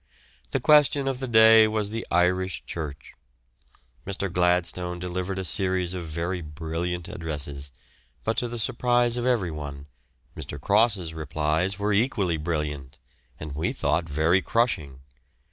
The question of the day was the Irish church. Mr. Gladstone delivered a series of very brilliant addresses, but to the surprise of everyone Mr. Cross's replies were equally brilliant, and we thought very crushing.